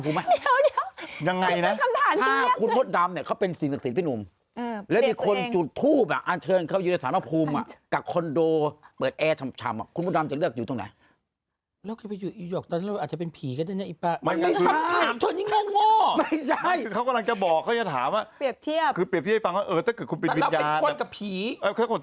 ผมเปรียบเทียบว่าถ้าคุณเป็นสิ่งกับศิรา